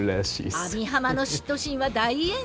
網浜の嫉妬心は大炎上。